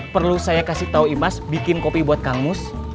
perlu saya kasih tau imas bikin kopi buat kangmus